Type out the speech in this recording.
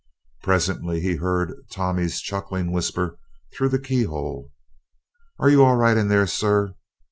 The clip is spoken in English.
Presently he heard Tommy's chuckling whisper through the keyhole: "Are you all right in there, sir?